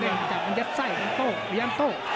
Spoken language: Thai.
เรื่องสักอย่างเตะมันยัดไส้มันโต้พยายามโต้